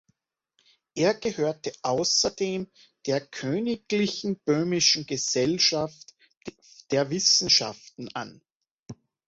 Er gehörte außerdem der Königlichen böhmischen Gesellschaft der Wissenschaften an.